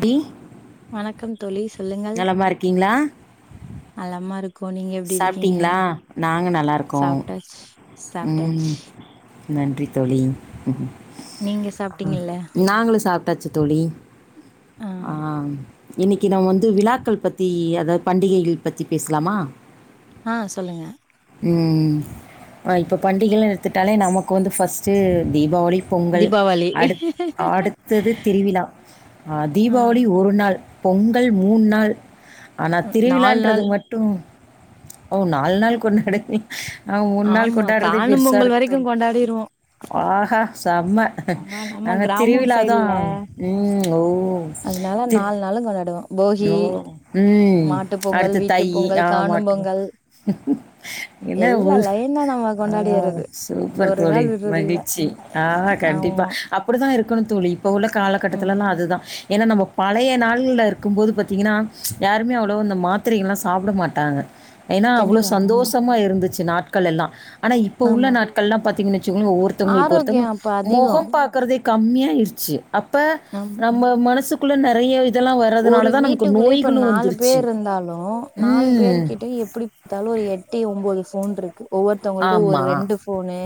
D வணக்கம் தோழி சொல்லுங்கள். மா இருக்கீங்ளா? நலமா இருக்கோ நீங்க எப்டி இருக்கீங்க? சாப்ட்டீங்களா நாங்க நல்லாருக்கோ சாப்ட்டாச்சு. சாப்ட்டாச்சு ம் நன்றி தோழி. அ நீங்க அ சாப்ட்டீங்கல்ல நாங்ளு சாப்ட்டாச்சு தோழி. ஆ இன்னிக்கி நாம் வந்து விழாக்கள் பத்தி அதாவ் பண்டிகைகள் பத்தி பேசலாமா? ஆ சொல்லுங்க. ம் அ இப்போ பண்டிகை எல்லா எடுத்துட்டாலே நமக்கு வந்து ஃபஸ்ட்டு தீபாவளிப் பொங்கல் தீபாவளி அடுத் அடுத்தது திருவிழா அ ஆ ம், தீபாவளி ஒரு நாள் பொங்கல் மூன் நாள் ஆனா நாலு திருவிழான்றது நாள் மட்டு ஓ நால் நாள் கொண்டாடுவி அ மூன் நாள் ஆமா கொண்டாட்றதே காணும் பெருசா பொங்கல் இருக்கு வரைக்கு தோழி கொண்டாடிருவோ ஆஹா செம்ம ஆனா நம்ம நாங்க கிராமம் திருவிழாதா ம் ஓ அதுனால திரு நால் நாளு கொண்டாடுவோ. போகி ஓ ம் மாட்டு பொங்கல் அடுத்து வீட்டு தையி பொங்கல் ஆ காணும் மாட்டு பொ பொங்கல் என்ன எல்லா ஒரு லைனா நம்ம ஆ கொண்டாடிறது சூப்பர் ஒரு தோழி நாள் விடுறது இல்ல மகிழ்ச்சி. ஆ கண்டிப்பா ஆமா அப்பிடிதா இருக்கணு தோழி இப்ப உள்ள ம் காலகட்டத்துலல்லா அதுதா. ஏனா நம்ம பழைய நாள்ல இரு க்கும்போது பாத்தீங்கனா யாருமே அவ்வளவா அந்த மாத்திரைகள்லா சாப்ட மாட்டாங்க. ஏனா அவ்ளோ கண்டிப்பா ஆமா சந்தோஷமா இருந்துச்சு நாட்கள் எல்லா. ஆனா இப்ப உள்ள ஆமா நாட்கள்லா பாத்தீங்கன் வெச்சுகோங்ள ஒருத்தவுங்குளுக்கு ஒருத்தவுங்க ஆரோக்கியம் அப்ப அதிகோ மொகோ பா க்கறதே கம்மியாயிருச்சி அப்ப ஆம் நம்ப மனசுக்குள்ள நெறைய இதெல்லா ஒரு வீட்டுக்குள்ளயே இப்ப நாலு பேர்ருந்தாலு நாலு பேர் ம். கிட்ட எப்பிடி த்தாலு எட்டி ஒம்போது ஃபோன்ருக் ஒவ்வொருத்தவங்ள்ட்டியு ஒரு ஆமா. ரெண்டு ஃபோனு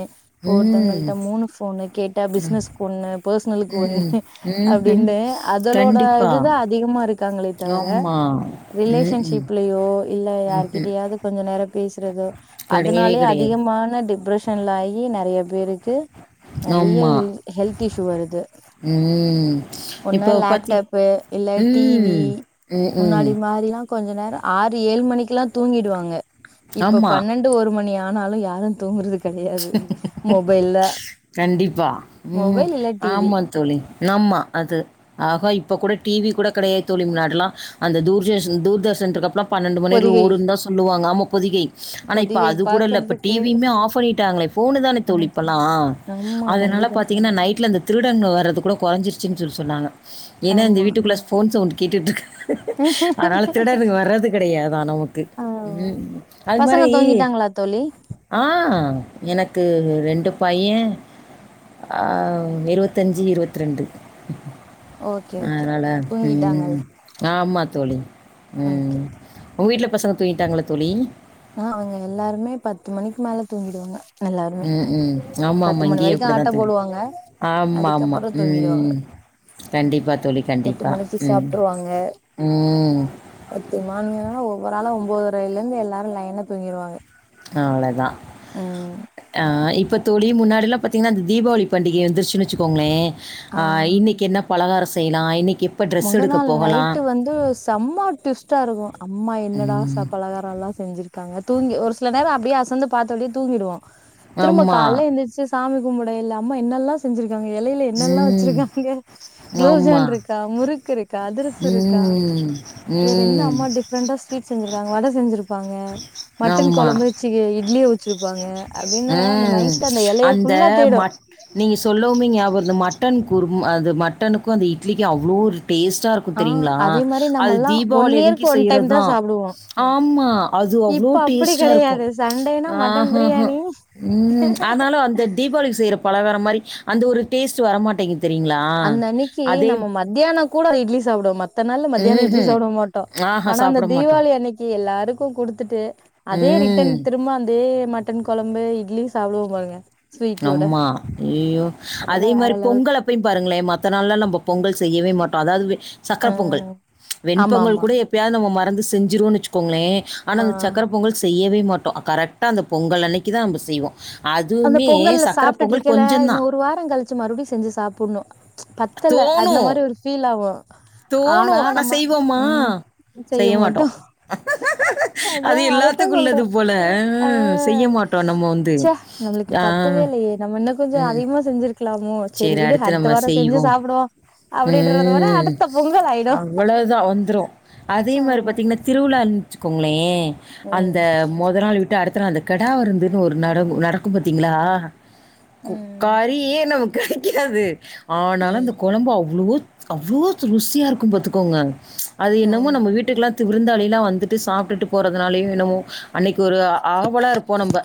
ம். ஒவ்வொருத்தங்கள்ட்ட மூணு ஃபோனு கேட்டா பிசினஸ்க் ஒன்னு பெர்சனலுக்கு ம். ஒன்னு ம்ஹ்ம். அப்டின்ட்டு அதலோட கண்டிப்பா. இது தா அதிகமா இருக்காங்களே தவிர ஆமா. ம்ஹ்ம். ரிலேஷன்ஷிப்லயோ இல்ல யாருகிட்டயாவது கொஞ்ச நேரம் பேசுறதோ கிடையவே அதுனாலயே கிடையாது. அதிகமான டிப்ரஷன் த ஆகி நெறைய பேருக்கு நெறைய ஆமா. ஹெல்த் இஷ்யூ வருது ம் ஒன்னு இப்போ பாத்தி லேப்டாப்பு இல்ல டீவி ம். ம்ஹ்ம். முன்னாடி மாரில்லா கொஞ்ச நேர ஆறு ஏழு மணிக்கெல்லா தூங்கிடுவாங்க இப்ப ஆமா. பன்னெண் டு ஒரு மணி ஆனாலு யாரு தூங்கறது கெடையாது மொபைல்ல கண்டிப்பா. ம். மொபைல் இல்ல டிவி ஆமா தோழி நம்மா அது ஆக இப்ப கூட டீவிக் கூட கடையாது தோழி முன்னாடிலா அந்த தூதஷன் தூர்தர்ஷன் இருக்கப்பல்லா பன்னெண்டு மணிவர்லியு பொதிகை ஓடுனுதா சொல்லுவாங்க ஆமா பொதிகை ஆனா இப்ப பொதிகை அது கூட இல்ல இப்ப பாக்குறதுக்கு டீவியுமே ஆஃப் பண்ணி ட்டாங்களே ஃபோனு தானே அ தோழி இப்பல்லா ஆமா அதனால கண்டிப்பா பாத்தீங்கன்னா நைட்ல அந்த திருடங்க வர்றது கூட கொறஞ்சிருச்சின்னு சொல்லி சொன்னாங்க ஏன்னா இந்த ஆமா வீட்டுக்குள்ளே ஃபோன் சவுண்டு கேட்டுட்டுருக்கு அதனால திருடனுங்க வர்றது கெடையாதான் நமக்கு ஆமா ம் அது பசங்க மாரி தூங்கிட்டாங்களா தோழி ஆ எனக்கு ரெண்டு பைய ஆ ம் இருவத்தஞ்சி இருவத்ரெண்டு ஓகே ஓகே அதனால ம் தூங்கிட்டாங்கள் ஆமா தோழி ஓகே ம் உங்க வீட்ல பசங்க தூங்கிட்டாங்களா தோழி ஆ அவங்க எல்லாருமே பத்து மணிக்கு மேல தூங்கிடுவாங்க எல்லாருமே ம் ம் பத்து ஆமாமா மணி இங்கியு வரைக்கு அப்டித்தா ஆட்ட தோழி போடுவாங்க ஆமாமா அதுக்கப்புறோ தூங்கிடுவாங்க ம் கண்டிப்பா தோழி எட்டு கண்டிப்பா மணிக்கு ம் சாப்ட்ருவாங்க ம் பத்து மாரி ஆனா ஒவ்வொராளா ஒம்போதரையல இருந்து எல்லாரு லைனா தூங்கிருவாங்க ஆ அவ்வளதா ம் ஆ இப்பத் தோழி முன்னாடில்லா பாத்தீங்கன்னா அந்த தீபாவளி பண்டிகை வந்துருச்சுன்னு வெச்சுக்கோங்களே ஆ இன்னைக்கு என்ன பலகார செய்லா இன்னைக்கி மொத நாள் நைட்டு வந்து செம்மா டுவிஸ்ட்டா இருக்கும் அம்மா என்னடா சா ம். பலகார ல்லா செஞ்சிருக்காங்க தூங்கி ஒரு சில நேரம் அப்டியே அசந்து பாத்து அப்டியே தூங்கிருவோ திரும்ப ஆமா. கால எந்திரிச்சு சாமி கும்பிடயில அம்மா என்னெல்லா செஞ்சிருக்காங்க எலையில என்னெல்லா ம். வச்சிருக்காங்க ஆமா. குளோப்ஜான் இருக் கா முறுக்கு இருக்கா அதிரசு இருக்கா ம். வேற என்ன ம். அம்மா டிஃப்ரெண்டா ஸ்வீட் செஞ்சிருக்காங்க வட செஞ்சிருப்பாங்க மட்டன் ஆமா. கொழம்புச்சி இட்லிய வெச்சிருப்பாங்க அப்டின்னு அந்த ம் மைட்டு அந்த எலைய ஃபுல்லா தேடும் நீங்க சொல்லவுமே ஞாபக வருது இந்த மட்டன் குருமா அந்த மட்டனுக்கு அந்த இட்லிக்கு அவ்வளோ ஒரு டேஸ்ட்டா இருக்கும் கு ஆ தெரியுங்களா அதே மாரி அது நம்மல்லா ஒன் தீபாவளிக்கு அன்னைக்கு இயர்க்கு ஒன் டைம் தா செய்றதுதா சாப்டுவோ ஆமா அது அவ்வளோ இப்ப அப்டி டேஸ்ட்டா இருக்கு கெடையாது சண்டேனா ஆ மட்டன் ஹ ஹ பிரியாணி ம் ஆனாலு அந்த தீபாவளிக்கு செய்கிற பலகாரம் மாரி அந்த ஒரு டேஸ்ட் வரமாட்டேங்குது தெரியுங்களா அதே மத்தியான கூடோ இட்லி சாப்டுவ மத்த நாள்ல மத்தியான இட்லி ம்ஹ்ம். சாப்புட மாட்டோ ஆஹா ஆனா அந்த சாப்பிட மாட்டோம். தீபாவளி அன்னைக்கு எல்லாருக்கு குடுத்துட்டு அதே ரிட்டன் ம். திரும்ப அதே மட் டன் கொழம்பு இட்லி சாப்டுவோ பாருங்க ஸ்வீட்டோட ஆமா ஐய்யயோ அதெல்லா அதே வேற மாரி லெவல் பொங்கல ப்பையு பாருங்களே மத்த நாள்லல்லா நம்ம பொங்கல் செய்யவே மாட்டோ அதாவது வெ ஆ சக்கரப் பொங்கல் ஆமா வெண்பொங்கல் ஆமா கூட எப் எப்பயாவது நம்ம மறந்து செஞ்சிருவோனு வச்சுக்கோங்களே ஆனா அந்தச் ஆ சக்கர பொங்கல் செய்யவே மாட்டோ கரட்டா அந்த பொங்கல் அன்னக்கி தா நம்ப செய்வோ அது அந்த பொங்கல்ல சாப்டுட்டு இருக்கைல இன்ன ஒரு வாரோ கழிச்சு மறுபடியு செஞ்சு சாப்புன்னு பத்தல அந்த தோணும் மாரி ஒரு ஃபீல் ஆவு ஆனா தோணும். நம்ம செய்வோமா? ம் செய்ய மட்டோ அதா அது அததா எல்லாத்துக்கும் சொல்ற உள்ளது போல. ஆ அ செய்ய மாட்டோம் நம்ம வந்து. ச்ச நம்மளுக்கு பத்தவே ஆ. இல்லயே நம்ம இன்னு கொஞ்சோ அதிகமா செஞ்சிருக் க்கலாமோ செரி சேரி விடு அடுத்து அடுத்த நம்ம வாரோ செஞ்சு செய்வோம். சாப்புடுவோ ம் அவ்வளோதா வந்துரு அதே மார் ஆமா பாத்திங்ன்னா திருவிழான்னு வெச்சுக்கோங்களே அந்த ம் மொத நாள் விட் ட்டு அடுத்த நாளு கடா வருந்துன்னு ஒரு நரகோ நடக்கு பாத்திங்களா கு ம் கரியே நமக்கு கிடைக்காது ஆனாலு அந்த ம் கொழம்பு அவ்ளோ அவ்ளோ ருசியா இருக்கு பாத்துக்கோங்க அது என்னமோ ஆமா நம்ம வீட்டுக்குலா த்து விருந்தாளிலா வந்துட்டு சாப்ட்டுட்டு போறதுனாலயோ என்னவோ அன்னைக்கு ஒரு ஆவலா இருப்போ நம்ப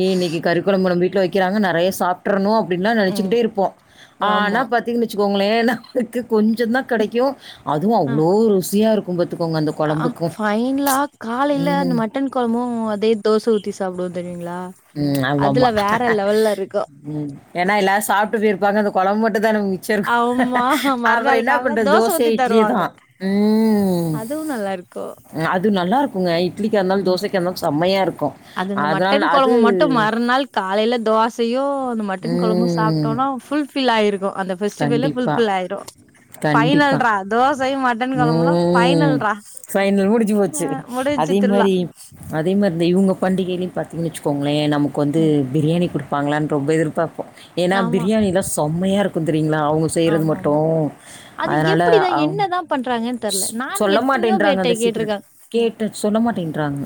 இன்னிக்கி கறிக்கொழம்பு நம்ப வீட்டுல வக்கிறாங்க நறையா சாப் ட்ரணு அப்டின்லா ம் நெனச்சுக்கிட்டே இருப்போ ஆனா ஆமா பா த்திங்கனு வச்சுக்கோங்களே நமக்கு கொஞ்சோ தா கெடைக்கு அதுவு ஆ அவ்ளோ ருசியா இருக்கு பாத்துக்கோங்க அந்த ஆ கொழம்புக்கு ஃபைன்லா காலைல அந்த மட்டன் கொழம்பு அதே தோச ஊத்தி சாப்புடுவோ தெரியுங்களா ம். ஆமாமா. அதுல வேற லெவல்ல இருக்கு ம் ஏன்னா எல்லாரு சாப்டது இருப்பாங்க அந்த கொழம்பு மட்டுதான ஊ ச்செர்க்கோ ஆமா அப்பறோ மறுநாள் என்னா கால்ல பண்றது தோச ஊத்தி இட்லியேதா தருவாங்க ம் அதுவு நல்லா இருக்கு அது நல்லா இருக்குங்க இட்லிக்கா இருந்தாலு ம் தோசைக்கா இருந்தாலு செம்மையா இருக்கு அது இந்த மட்டன் கொழம்பு மட்டு மறுநாள் காலையில தோசையு அந்த மட்டன் குழம்பு ம். சாப்டோனா ஃபுல் ஃபில் ஆயிருக்கு அந்த ஃபெஸ்டிவலே ஃபுல் கண்டிப்பா. ஃபில்லாயிரு கண்டிப்பா. பைனல்ரா தோசயு மட்டன் கொழம்புனா ம். பைனல்ரா ஃபைனல் முடிஞ்சு போச்சு அதே மாறி அதே மார் த இவுங்க பண்டிகையிலயு பாத்திங்ன்னு வெச்சுக்கோங்களே நமக்கு வந்து ம் பிரியாணி குடு ப்பாங்கலானு ரொம்ப எதிர்பாப்போ ஏன்னா ஆமா பிரியாணிலா செம்மையா இருக்கு தெரியுங்களா அவுங்க செய்றது ஆமாமா மட்டு அது அதனால எப்டிதா அவ என்னதா பண்றாங்கன்னு தெர்ல நானு எத்தனையோ பேர்ட்ட கேட்ருக்க கேட்ட சொல்ல மாட்டின்றாங்க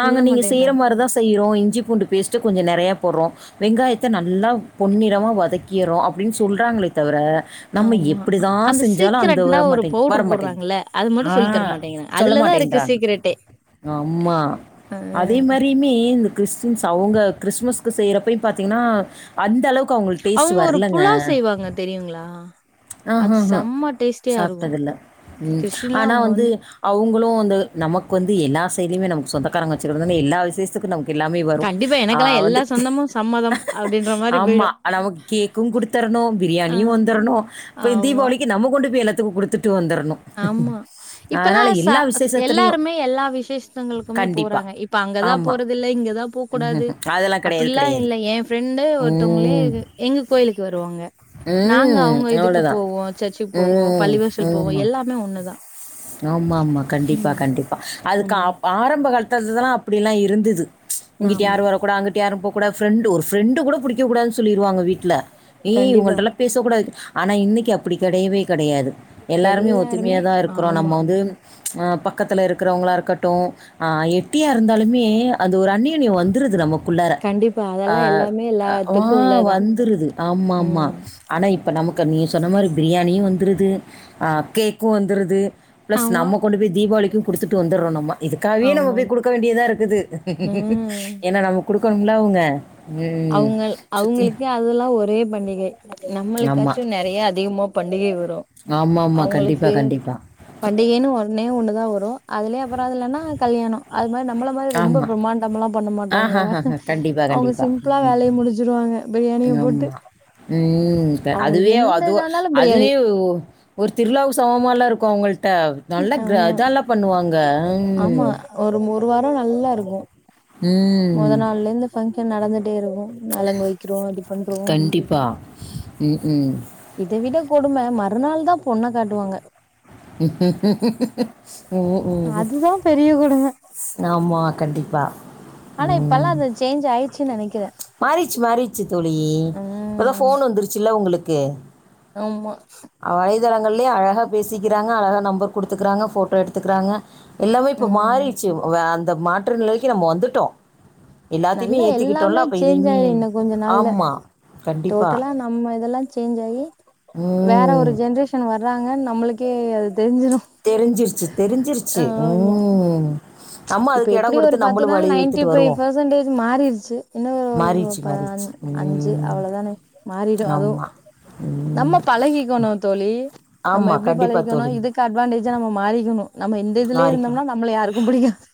சொல்ல நீங்க செய்யிற மாட்டேன்றாங்க மார்தா செய்றோ இஞ்சி பூண்டு பேஸ்டு கொஞ்சோ நெறையா போடுறோ வெங்காயத்த நல்லா பொன்னிறமா வதக்கீரோ அப்டின்னு சொல்றாங்களே தவர நம்ம ஆமா எப்படி தா அந்த செஞ்சாலு அந்த சீக்ரெட்னா ஒரு வரமாட்டேங் வர பவுடர் மாட்டேங்குது போடுறாங்கல்ல அது மட்டு ஆ சொல்லி தர மாட்டேங்கிறாங்க சொல்ல அதுலதா இருக்கு மாட்டேன்றாங்க சீக்ரெட்டே அம்மா அ அதே மாறியுமே இந் கிறிஸ்டின்ஸ் அவுங்க கிறிஸ்மஸ்க்கு செய்றப்பயு பாத்திங்கன்னா அந்த அளவுக்கு அவங்களுக்கு டேஸ்ட் அவுங்க ஒரு வரலங்க புலா செய்வாங்க தெரியுங்களா ஆ அது ஹ ஹ செம்ம டேஸ்ட்டியா இருக்கு சாப்ட்டதுல்ல ம் கிறிஸ்டின்லா ஆனா அவங்க வந்து அவுங்களு வந்து நமக்கு வந்து எல்லா சைடுலயுமே நமக்கு சொந்தக்காரங்க வச்சுக்கறதுந்து எல்லா விசேஷத்துக்கு நமக்கு எல்லாமே வரு கண்டிப்பா ஆ எனக்கெல்லா எல்லா வந்து சொந்தமு சம்மதம் அப்டின்ற மாரி ஆமா போயிடு நமக்கு கேக்கு குடுத்தரணு ஆ பிரியாணியு வந்தரணு போய் ஆமா தீபாவளிக்கு நம்ம கொண்டு போய் எல்லாத்துக்கு குடுத்துட்டு வந்தர்னு ஆமா இப்பல்லா ச ஸ் விசேஷத்துலயும் எல்லாருமே எல்லா விசேஷத்தங்களுக்குமே கண்டிப்பா. போறாங்க இப் ப அங்கதா ஆமா. போறது இல்ல இங்கதா போக் கூடாது ம்ஹ்ஹ்ம். அதெல்லாம் கெடையாது, அப்பிடிலா கெடையாது. இல்ல ஏ ஃப்ரெண்டு ஒருத்தொங்களே ம். எங்க கோயிலுக்கு வருவாங்க ம் உங்க இதுக்கு அவ்ளதான். போவோ சர்ச்சுக்கு போவோ பள்ளிவாசல் போவோ எல்லாமே ஒண்ணுதா ஆமாமா கண்டிப்பா கண்டிப்பா அதுக்கு ம். அப்ப ஆரம்ப காலத் துதலா அப்டியில்லா இருந்துது இங்கிட்டு ஆமா. யாரு வர கூடா அங்கிட்டு இங்க யாரு போ கூடாது ஃப்ரெண்டு ஒரு கூட ஃப்ரெரண்டு கூட புடிக்க கூடாது சொல்லிருவாங்க வீட்ல ஏய் கண்டிப்பா. இவுங்கள்டல்லா பேசக்கூடாது ஆனா இன்னக்கி அப்புடி கெடையவே கெடையாது எல்லாருமே ஒத்துமையாத்தா இருக்கிறோ நம்ம வந்து அ பக்கத்துல இருக்குறவுங்களா இருக்கட்டு ஆ எப்டியா இருந்தாலுமே அது ஒரு அன்யுனியோ வந்துருது நமக்குள்ளார கண்டிப்பா. அ அதெல்லாம் எல்லாமே எல்லாத்துக்கும் ஓவ் உள்ளதுதான். வந்துருது ஆமா ஆமா ம். ஆனா இப்ப நமக்கு நீ சொன்ன மாரி பிரியாணியு வந்துருது ஆ கேக்கு வந்துருது பிளஸ் ஆமா, நம்ம கொண்டுப்போய் தீபாவளிக்கு குடுத்துட்டு வந்துறோ நம்ம இதுக்காவே நம்ம ஆமாம். போய் குடுக்க வேண்டியதா இருக்குது ம். ஏன்னா நம்ம குடுக்கணுமில்ல அவுங்க அவுங்கள் அவுங்களுக்கே அதெல்லா ஒரே பண்டிகை ஆமா. நம்மளுக்காச்சு நெறைய அதிகமா பண்டிகை வரு ஆமாமா. கண்டிப்பா, அவுங்களுக்கு கண்டிப்பா. பண்டிகையின்னு ஒன்னே ஒண்னுதா வரு அதுலயே அப்புற இல்லன்னா கல்யாணோ அது மாரி நம் நம்மள மாரி ரொம்ப ஆமா. பிரம்மாண்டமாலா பண்ண மாட்டாங்க ஆஹஹஹ. கண்டிப்பா, அவுங்க கண்டிப்பா. சிம் பிள்ளா ம். வேலைய முடிசுடுவாங்க பிரியாணிய போட்டு ஆமா. ம் அவங்களுக்கு அதுவே எந்த அது ஒ இதா இருந்தாலு பிரியாணி அதுவே ஒரு திருழாவு சமமால்ல இருக்கு அவுங்கள்ட்ட நல்ல கெ ஆமா இதால்லா பண்ணுவாங்க ம் ஆமா ஒரு மொரு வாரம் நல்லா இருக்கு மொத ம். நாள் இருந்து ஃபங்ஷன் நடந்துடே இருக்கு நலுங்கு வைக்குறோ இது பண்றோ பா ம் ம் இத விட கொடும மறுநாள் தா பொண்ன காட்டுவாங்க ம் ம் அதுதா பெரிய கொடும ஆமா கண்டிப்பா ஆனா இப்பல்லா ம் அது சேஞ்ச் ஆயிடுச்சுன்னு நெனைக்கிறே மாறிச்சி மாறிச்சி தோழி இப்போ தா ம் போன் வந்துருச்சுல உங்களுக்கு ஆமா வலைதளங்கள்ளே அழகா பேசிக்கிறாங்க அழகா நம்பர் குடுத்துக்கறாங்க போட்டோ எடுத்துக்கிறாங்க எல்லாவே இப்ப ம் மாறிச்சு அந்த மாற்று நிலைக்கு நம்ம வந்துட்டோ எல்லாத்தையுமே நல்லா எல்லாமே ஏத்திக்கிட்டோல அப்ப சேஞ்ச் இதையுமே ஆயிரு இன்னு கொஞ்ச நாள்ல ஆமா கண்டிப்பா டோட்டலா நம்ம இதெல்லா சேஞ்ச் ஆயி ம் வேற ஒரு ஜென்ரேஷன் வர்றாங்க நம்மளுக்கே அது தெரிஞ்சிரு தெரிஞ்சிருச்சு தெரிஞ்சிருச்சு ஆமா ம் நம்ம இப்ப அதுக்கு இடம் எப்டி ஒரு கொடுத்து பத்து நம்மளும் நாள் வழி நைன்டி வித்துட்டு ஃபைவ் வருவோம் பெர்சன்டேஜ் மா மாறிச்சு இன்னு மாறிடுச்சு ப மாறிடுச்சு அஞ்சு ம் அவ்ளோ தான மாறிடு அதுவு ஆமாம் நம்ம ம் பழகிக்கணு தோழி நம்ப ஆமாம் எப்டி கண்டிப்பாக பழகிக்கணு தோழி இது அட்வான்டேஜா நம்ம மாறிக்கணு நம்ம இந்த இதுலையே மாறிக்கணும் இருந்தோன்னா நம்மள யாருக்கு புடிக்காது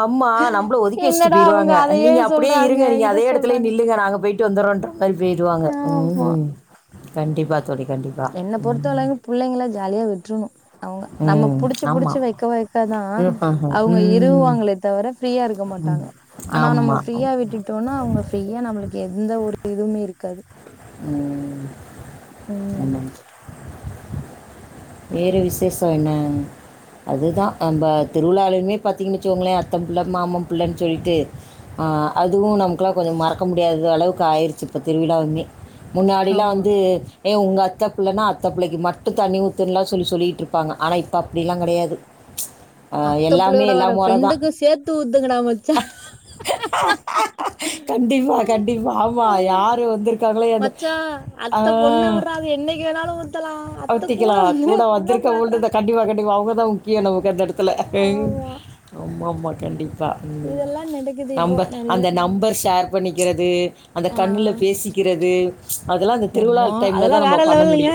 ஆமா. நம்பள ஒதுக்கி வச்சுட்டு என்னடா அவுங்க போயிருவாங்க. நீங்க அப்டியே இருங்க நீங்க அதே இடத்துலையே நில்லுங்க நாங்க போய்ட்டு வந்தறோன்ற மாரி போய்ருவாங்க ஆமா ம் கண்டிப்பா தோழி கண்டிப்பா. என்ன பொருத்த ம். அளவு புள்ளைங்கள ஜாலியா விட்றணு அவுங்க நம்ம ம். புடிச்சு ஆமா. புடிச்சு வைக்க வைக்கதா ம். அவுங்க ம். இருவுவாங்களே தவர ஃப்ரீயா இருக்க ம். மாட்டாங்க ஆனா ஆமா. நம்ம ஃப்ரீயா விட்டுட்டோனா அவுங்க ஃப்ரீயா நம்மளுக்கு எந்த ஒரு இதுவுமே இருக்காது ம் ம் ஆமா. வேறு விசேஷ என்ன அதுதா நம்ப திருவிழாலலுமே பாத்திங்கன்னு வச்சிக்கோங்களே அத்த புள்ள மாமன் புள்ளன்னு சொல்லிட்டு ஆ அதுவு நமக்குல்லா கொஞ்ச மறக்க முடியாத அளவுக்கு ஆயிருச்சு இப்ப திருவிழாவுமே முன்னாடில்லா ஆமா வந்து ஏ உங்க அத்த பிள்ளைனா அத்த பிள்ளைக்கு மட்டு தண்ணி ஊத்துன்லா சொல்லி சொல்லிட்டு இருப்பாங்க ஆனா இப்போ அப்டிலா கெடையாது அத்த புள்ளையோட வர தான் ஃப்ரெண்டுக்கு சேத்து ஊத்துங்கடா மச்சா கண்டிப்பா கண்டிப்பா ஆமா யாரு வந்துருக் மச்சா அத்த பொண்ணு விட்றா அது என்னைக்கு வேணாலு ஊத்தலா அத்த கூட வந்த பொண்ண பார்றா த்த [unintelligible] கண்டிவா கண்டிவா அவுங்க தா முக்கிய நமக்கு அந்த எடத் துல அயின் ஆமா ஆமா ஆமா கண்டிப்பா ம் இதெல்லா நடக்குது இப்போ நம்பர் நெறைய அந்த நம்பர் ஷேர் பண்ணிக்கறது அந்த கண்ணுல ஆ பேசிக்கறது அதுல்லா அந்த திருவிழா எம்மா டைம்ல அதெல்லா தா நம்ம வேற பண்ண லெவலுங்க முடியு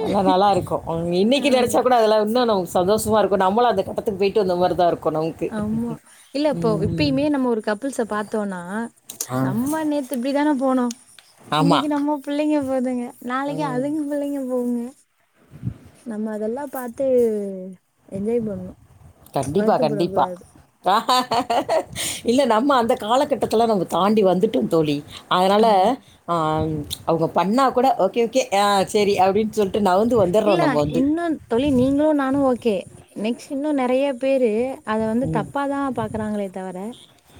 அதுல்லா நல்லாருக்கு இன்னைக்கு நெனச்சா ஆமா கூட அதெல்லா இன்னு சந்தோஷமா இருக்கு நம்மளு அந்த கட்டத்துக்கு போயிட்டு வந்த மாரிதா இருக்கு நம் ஆமா இல்ல இப்போ இப்பயுமே நம்ம ஒரு கப்புள்ஸ பாத்தோன்னா ஆ. நம்ம நேத் து இப்பி தானே போனோ ஆமா. இன்னைக்கு நம்ம புள்ளைங்க போகுதுங்க நாளைக்கு ம். அதுங்க புள்ளைங்க போவுங்க நம்ம அதெல்லா பாத்து என்ஜாய் பண்ணு கண்டிப்பா, கண்டிப்பா. வருத்தப்படக்கூடாது இல்ல நம்ம அந்த கால கட்டத்துல நம்ம தாண்டி வந்துட்டோ தோழி அதனால ஆமா ஆ அவுங்க பண்ணா கூட ஓகே ஓகே ஆ செரி அப்டின்னு சொல்ட்டு நவுந்து வந் இல்ல இன்னு தோழி நீங்களு நானு ஓகே நெக்ஸ்ட் இன்னு நெறைய பேரு அத வந்து தப்பா தா பாக்குறாங்களே தவிர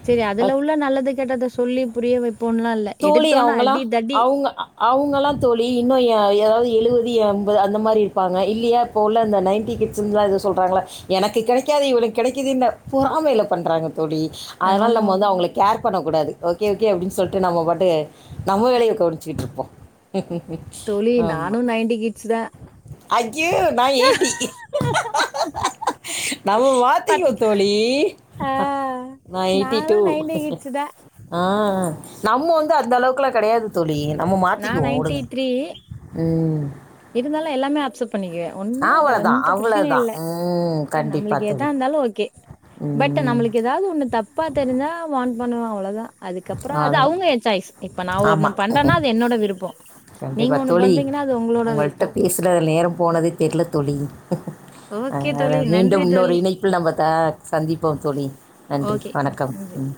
செரி அதுல உள்ள நல்லது கெட்டத சொல்லி புரிய வைப்போன்லா இல்ல தோழி எடுத்தோன அவுங்களா அடி தடி அவுங்க ஆ அவுங்களா தோழி இன்னு ஆ அதாது எழுவது எண்பது அந்த மாரி இருப்பாங்க இல்லியா இப்ப உள்ள அந்த நைன்டி கிட்ஸ்லா ஏதோ சொல்றாங்கல்ல எனக்கு கெடைக்காதது இவனுக்கு கெடைக்கிதுன்ன பொறாமையில பண்றாங்க தோழி அதனால ஆமா நம்ம வந்து அவுங்கள கேர் பண்ணக்கூடாது ஓகே ஓகே அப்டின்னு சொல் ட்டு நம்ம பாட்டு நம்ம வேலைய கவனிச்சுட்டு இருப்போ தோழி நானு நைன்டி கிட்ஸ் தா அய்யோ நா எயிட்டி நம்ம பாத்தி மாத்திக்குவோ தோழி ஆ நா எயிட்டி நாங்களு டு நைன்டி கிட்ஸ் தா ஆ நம்ம வந்து அந்த அளவுக்கல்லா கெடையாது தோழி நம்ம நா மாத்திக்குவோ நைன்டி உடுங்க த்ரீ ம் இருந்தாலு எல்லாமே அப்சர்வ் பண்ணிக்குவே ஆ, ஒன்னு வே அவ்வளவுதான் எந்த பிரச்சனையு அவ்வளோதான் இல்ல ம் கண்டிப்பாக நம்மளுக்கு எதா தோழி இருந்தாலு ஓகே பட் ம் நம்மளுக் ஏதா ஒன்னு தப்பா தெரிஞ்சா வான் பண்ணுவ அவுளோதா அதுக்கப்புறம் அது அவ்வளோதான் அவுங்க எ சாய்ஸ் இப்ப நா ஒண்ணு ஆமாம் பண்றேன்னா அது என்னோட விருப்போ நீங்க ஒண்ணு பண்றீங்கன்னா அது உங்களோட கிட்ட விருப்போ பேசுனதுல நேரம்போனதே தெர்ல தோழி ஓகே அதனால தோழி நன்றி மீண்டும் இன்னொரு தோழி இணைப்பில் நம்ம த சந்திப்போம் தோழி நன்றி ஓகே வணக்கம் நன்றி ம்